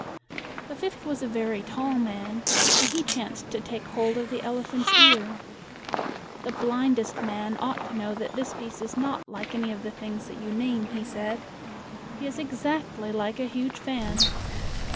The fifth was a very tall man, and he chanced to take hold of the elephant's ear. "The blind est man ought to know that this beast is not like any of the things that you name," he said. "He is ex act ly like a huge fan."